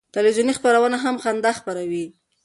تلویزیوني خپرونه هم خندا خپروي.